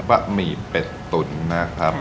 ะหมี่เป็ดตุ๋นนะครับ